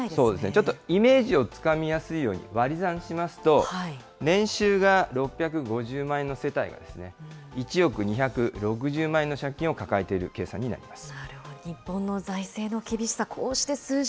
ちょっとイメージをつかみやすいように割り算しますと、年収が６５０万円の世帯が、１億２６０万円の借金を抱えている計算になります。